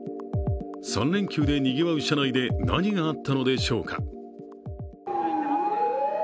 ３連休でにぎわう車内で何があったのでしょうか。